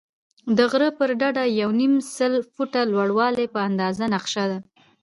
د غره پر ډډه د یو نیم سل فوټه لوړوالی په اندازه نقشه ده.